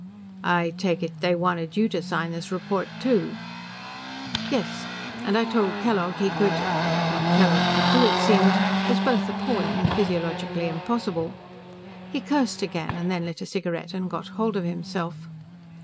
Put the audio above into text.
"I take it they wanted you to sign this report, too?" "Yes, and I told Kellogg he could " What Kellogg could do, it seemed, was both appalling and physiologically impossible. He cursed again, and then lit a cigarette and got hold of himself.